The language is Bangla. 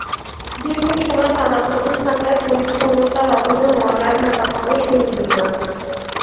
দীর্ঘ সময় তালাবদ্ধ থাকায় পরিচ্ছন্নতার অভাবে ময়লায় ঢাকা পড়ে শহীদ মিনার।